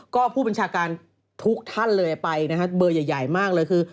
ก็ผู้บัญชาการทุกท่านเลยไปนะฮะเบอร์ใหญ่มากเลยคือ